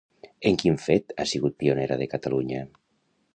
En quin fet ha sigut pionera de Catalunya?